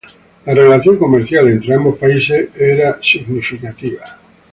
La relación comercial entre ambos países es significativo.